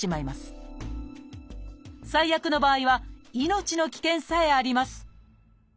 最悪の場合は命の危険さえあります